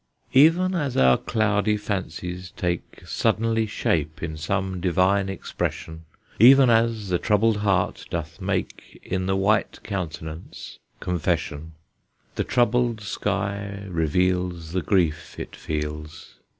Even as our cloudy fancies take Suddenly shape in some divine expression, Even as the troubled heart doth make In the white countenance confession, The troubled sky reveals The grief it feels.